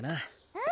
うん